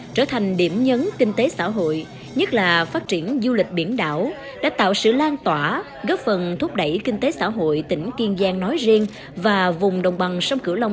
trở thành điểm nhấn kinh tế xã hội nhất là phát triển du lịch biển đảo đã tạo sự lan tỏa góp phần thúc đẩy kinh tế xã hội tỉnh kiên giang nói riêng và vùng đồng bằng sông cửu long